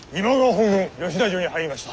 本軍吉田城に入りました。